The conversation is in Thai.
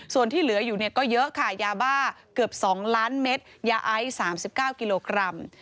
ส่วนที่เหลืออยู่เนี่ยก็เยอะค่ะยาบ้าเกือบ๒ล้านเม็ดยาไอซ์๓๙กิโลกรัม